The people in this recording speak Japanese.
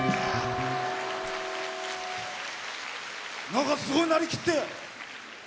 なんかすごいなりきって。